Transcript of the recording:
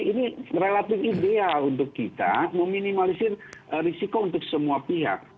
ini relatif ideal untuk kita meminimalisir risiko untuk semua pihak